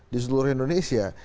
di seluruh indonesia